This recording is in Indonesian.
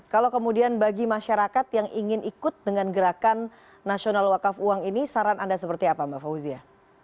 kalau kemudian bagi masyarakat yang ingin ikut dengan gerakan nasional wakaf uang ini saran anda seperti apa mbak fauzia